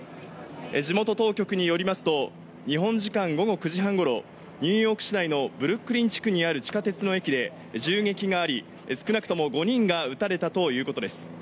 地元当局によりますと日本時間午後９時半ごろニューヨーク市内のブルックリン地区にある地下鉄の駅で銃撃があり少なくとも５人が撃たれたということです。